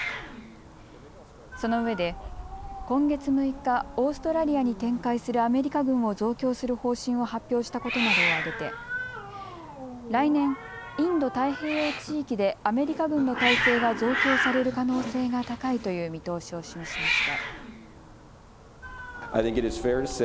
そのうえで今月６日、オーストラリアに展開するアメリカ軍を増強する方針を発表したことなどを挙げて来年、インド太平洋地域でアメリカ軍の態勢が増強される可能性が高いという見通しを示しました。